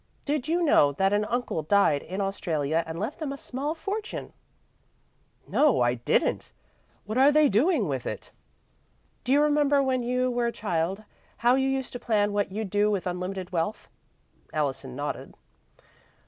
Did you know that an uncle died in Australia and left them a small fortune ?" "No, I didn't. What are they doing with it?" "Do you remember, when you were a child, how you used to plan what you'd do with unlimited wealth?" Allison nodded.